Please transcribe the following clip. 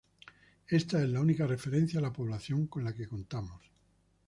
Esta es la única referencia a la población con la que contamos.